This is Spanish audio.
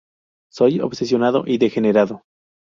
Soy obsesionado y degenerado.